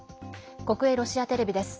国営ロシアテレビです。